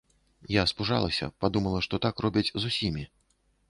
Я спужалася, падумала, што так робяць з усімі.